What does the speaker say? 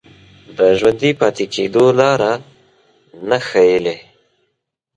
د ژوندي پاتې کېدو لاره نه ښييلې